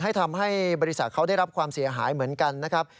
ทำให้บริษัทเขาได้รับความเสียหายเหมือนกันนะครับ